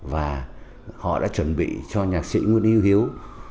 và họ đã chuẩn bị cho nhạc sĩ nguyễn yêu hiếu